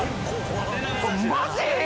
マジ？